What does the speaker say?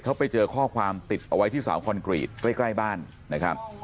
เขาไปเจอข้อความติดเอาไว้ที่สาวคอนกรีตใกล้บ้านนะครับ